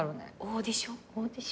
オーディション？